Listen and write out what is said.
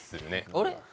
あれ？